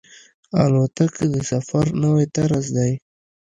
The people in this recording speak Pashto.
الوتکه د سفر نوی طرز دی.